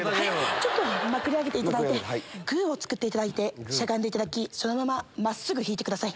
ちょっとまくり上げていただいてグをつくっていただいてしゃがんでいただきそのまま真っすぐ引いてください。